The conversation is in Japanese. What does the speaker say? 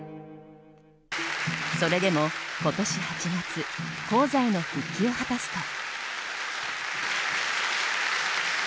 それでも今年８月高座への復帰を果たすと。